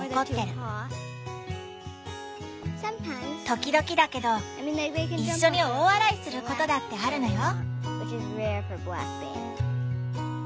時々だけどいっしょに大笑いすることだってあるのよ。